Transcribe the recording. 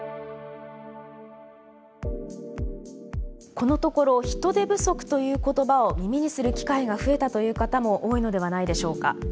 このところ「人手不足」という言葉を耳にする機会が増えたという方も多いのではないでしょうか。